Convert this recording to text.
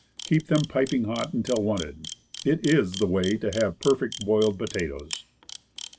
Keep them piping hot until wanted. It is the way to have perfect boiled po tatoes.